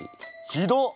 ひどっ！